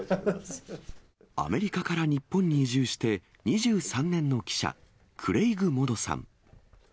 アメリカから日本に移住して２３年の記者、クレイグ・モドさん。